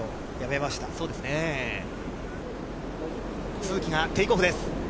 都築がテイクオフです。